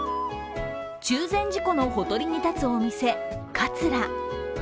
中禅寺湖のほとりに立つお店かつら。